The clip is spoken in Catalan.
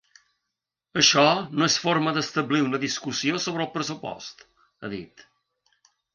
Això no es forma d’establir una discussió sobre el pressupost, ha dit.